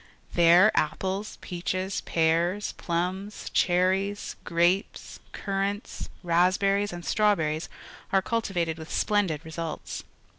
There apples, peaches, pears, plums, cherries, grape s, cur ^ rants, raspberries, and strawberries are cul ti vated with splendid results.